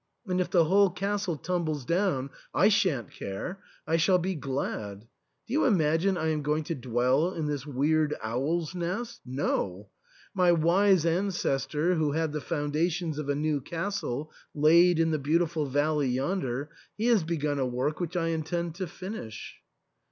And if the whole castle tumbles down, I shan't care ; I shall be glad. Do you imagine I am going to dwell in this weird owls' nest ? No ; my wise ancestor who had the foundations of a new castle laid in the beautiful valley yonder — he has begun a work which I intend to finish."